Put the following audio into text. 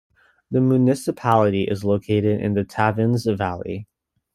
The municipality is located in the Tavannes valley.